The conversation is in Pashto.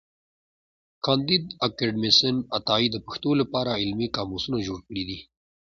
کانديد اکاډميسن عطايي د پښتو له پاره علمي قاموسونه جوړ کړي دي.